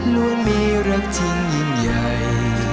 ล้วนมีรักจริงยิ่งใหญ่